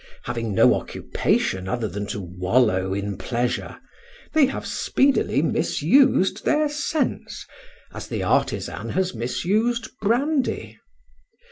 Having no occupation other than to wallow in pleasure, they have speedily misused their sense, as the artisan has misused brandy.